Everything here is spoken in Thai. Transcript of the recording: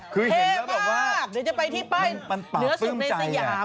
เท่มากเดี๋ยวจะไปที่ป้ายเหนือสุดในสยาม